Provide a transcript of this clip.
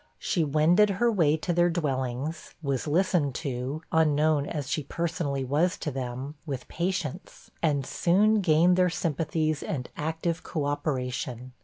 She wended her way to their dwellings, was listened to, unknown as she personally was to them, with patience, and soon gained their sympathies and active co operation.